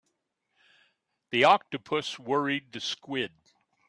The octopus worried the squid.